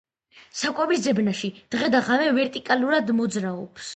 საკვების ძებნაში დღე და ღამე ვერტიკალურად მოძრაობს.